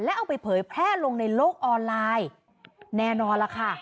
เอาไปเผยแพร่ลงในโลกออนไลน์แน่นอนล่ะค่ะ